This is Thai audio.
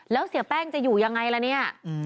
แล้วเสียแป้งจะอยู่ยังไงล่ะเนี่ย